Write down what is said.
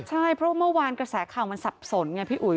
ใช่เพราะเมื่อวานกระแสข่าวมันสับสนไงพี่อุ๋ย